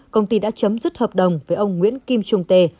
công ty đã chấm dứt hợp đồng với ông nguyễn kim trung tề